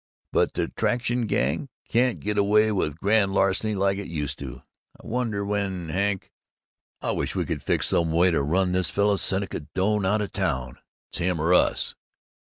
But the Traction gang can't get away with grand larceny like it used to. I wonder when Hank, I wish we could fix some way to run this fellow Seneca Doane out of town. It's him or us!"